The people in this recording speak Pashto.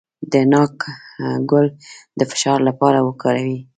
د ناک ګل د فشار لپاره وکاروئ